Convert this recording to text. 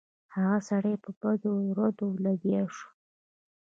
هغه سړی په بدو ردو لګیا شو.